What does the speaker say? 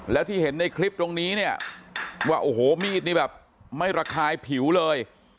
แล้วที่เห็นในคลิปตรงนี้เนี่ยว่าโอ้โหมีดนี่แบบไม่ระคายผิวเลย